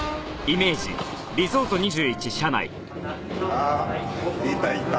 あっいたいた。